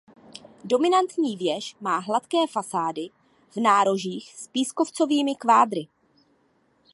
Dominantní věž má hladké fasády v nárožích s pískovcovými kvádry.